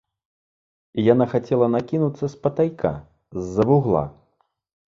Яна хацела накінуцца спатайка, з-за вугла.